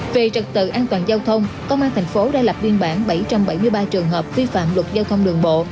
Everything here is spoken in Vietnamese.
về trật tự an toàn giao thông công an tp hcm đã lập viên bản bảy trăm bảy mươi ba trường hợp vi phạm luật giao thông đường bộ